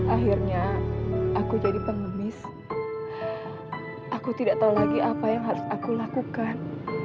akhirnya aku jadi pengemis aku tidak tahu lagi apa yang harus aku lakukan